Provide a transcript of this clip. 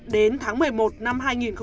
đến tháng một mươi một năm hai nghìn một mươi sáu